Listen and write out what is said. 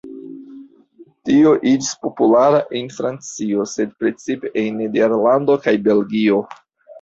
Tio iĝis populara en Francio, sed precipe en Nederlando kaj Belgio.